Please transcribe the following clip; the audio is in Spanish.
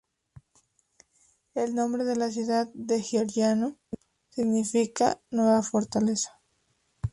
El nombre de la ciudad en georgiano significa "nueva fortaleza".